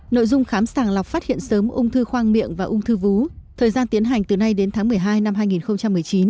nội dung khám sàng lọc phát hiện sớm ung thư khoang miệng và ung thư vú thời gian tiến hành từ nay đến tháng một mươi hai năm hai nghìn một mươi chín